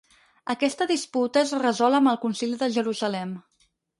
Aquesta disputa es resol amb el Concili de Jerusalem.